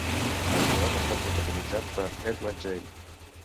El joc està protagonitzat per Edward J.